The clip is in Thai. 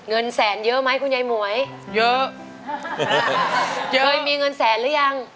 เงินแสนเยอะไหมคุณยายหมวยเยอะเยยมีเงินแสนหรือยัง